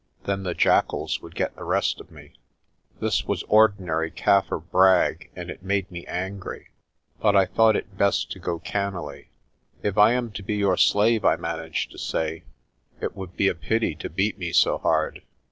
Then the jackals would get the rest of me. ARCOLL SENDS A MESSAGE 147 This was ordinary Kaffir brag and it made me angry. But I thought it best to go cannily. "If I am to be your slave," I managed to say, "it would be a pity to beat me so hard.